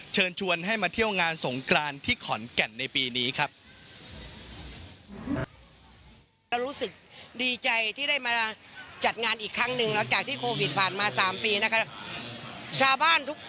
เชิญชวนให้มาเที่ยวงานสงกรานที่ขอนแก่นในปีนี้ครับ